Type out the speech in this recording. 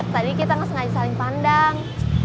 tadi kita ngeseng aja saling pandang